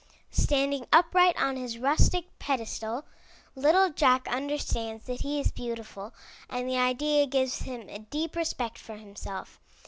Standing upright on his rustic pedestal little Jack understands that he is beautiful and the idea gives him a deep respect for himself.